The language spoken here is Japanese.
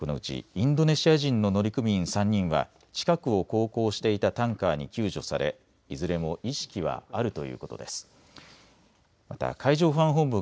このうちインドネシア人の乗組員３人は近くを航行していたタンカーに救助されいずれも意識はあるということです。